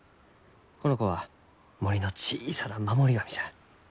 この子は森の小さな守り神じゃ。